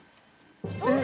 えっ！？